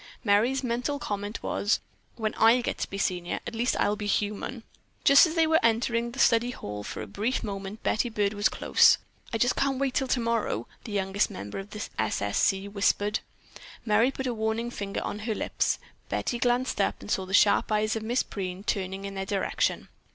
Merry's mental comment was, "When I get to be a senior, at least I'll be human." Just as they were entering the study hall for a brief moment Betty Byrd was close. "I just can't wait till tomorrow," the youngest member of the S. S. C. whispered. Merry put a warning finger on her lips. Betty glanced up and saw the sharp eyes of Miss Preen turning in their direction.